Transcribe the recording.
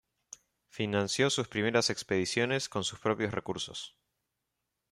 Financió sus primeras expediciones con sus propios recursos.